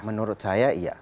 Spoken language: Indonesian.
menurut saya iya